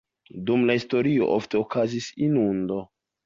Dum la historio ofte okazis inundo.